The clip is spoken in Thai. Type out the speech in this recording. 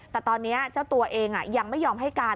แต่ตอนนี้เจ้าตัวเองยังไม่ยอมให้การ